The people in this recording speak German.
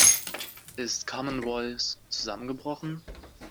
Ist Common Voice zusammengebrochen?